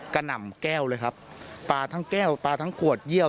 หน่ำแก้วเลยครับปลาทั้งแก้วปลาทั้งขวดเยี่ยว